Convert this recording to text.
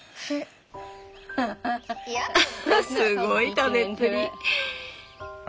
すごい食べっぷり！